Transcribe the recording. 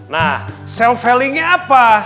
nah self healingnya apa